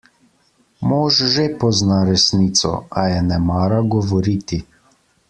Mož že pozna resnico, a je ne mara govoriti.